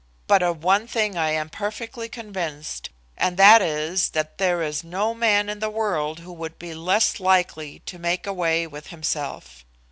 But of one thing I am perfectly convinced, and that is that there is no man in the world who would be less likely to make away with himself.